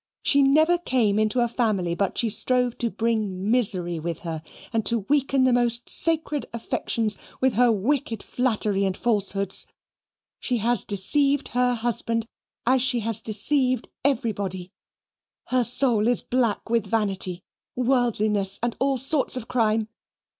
She never came into a family but she strove to bring misery with her and to weaken the most sacred affections with her wicked flattery and falsehoods. She has deceived her husband, as she has deceived everybody; her soul is black with vanity, worldliness, and all sorts of crime.